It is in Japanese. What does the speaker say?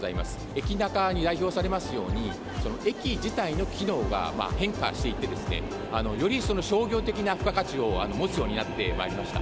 エキナカに代表されますように、駅自体の機能が変化していってですね、より商業的な付加価値を持つようになってまいりました。